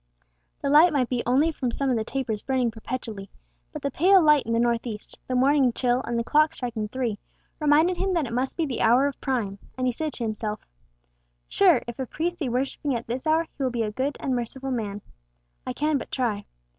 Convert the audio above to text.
The light might be only from some of the tapers burning perpetually, but the pale light in the north east, the morning chill, and the clock striking three, reminded him that it must be the hour of Prime, and he said to himself, "Sure, if a priest be worshipping at this hour, he will be a good and merciful man. I can but try."